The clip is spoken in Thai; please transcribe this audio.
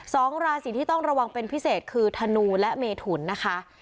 สองราศีที่ต้องระวังเป็นพิเศษคือธนูและเมถุนนะคะ